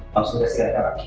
langsung dari siapa